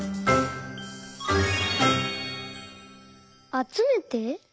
「あつめて」？